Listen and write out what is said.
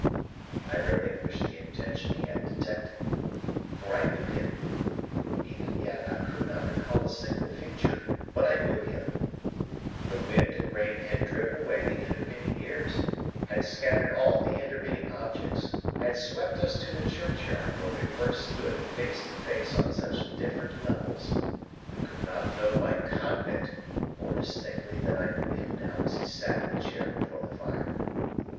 I relinquished the intention he had detected, for I knew him! Even yet I could not recall a single feature, but I knew him! If the wind and the rain had driven away the intervening years, had scattered all the intervening objects, had swept us to the churchyard where we first stood face to face on such different levels, I could not have known my convict more distinctly than I knew him now as he sat in the chair before the fire.